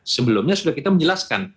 sebelumnya sudah kita menjelaskan